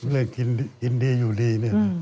เรื่องกินดีอยู่ดี